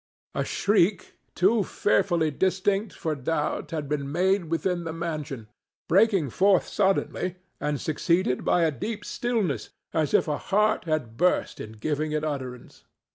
A shriek too fearfully distinct for doubt had been heard within the mansion, breaking forth suddenly and succeeded by a deep stillness, as if a heart had burst in giving it utterance.